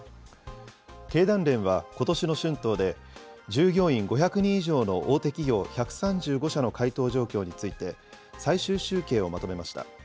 経団連は、ことしの春闘で、従業員５００人以上の大手企業１３５社の回答状況について、最終集計をまとめました。